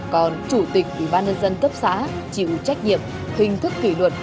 còn chủ tịch ủy ban nhân dân cấp xã chịu trách nhiệm hình thức kỷ luật